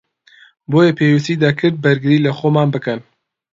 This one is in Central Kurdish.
بۆیە پێویستی دەکرد بەرگری لەخۆمان بکەن